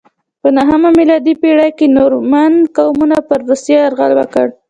په نهمه میلادي پیړۍ کې نورمن قومونو پر روسیې یرغل وکړ.